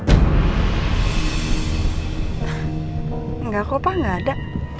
enggak kok pak gak ada